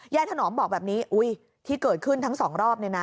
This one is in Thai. แย่ท่านอ๋อมบอกแบบนี้ที่เกิดขึ้นทั้งสองรอบ